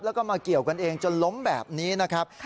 แล้วก็มาเกี่ยวกันเองจนล้มแบบนี้นะครับ